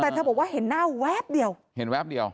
แต่เธอบอกว่าเห็นหน้าแวบเดียวเห็นแวบเดียว